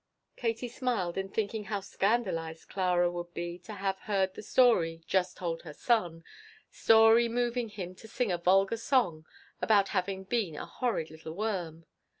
Katie smiled in thinking how scandalized Clara would be to have heard the story just told her son, story moving him to sing a vulgar song about having been a horrid little worm.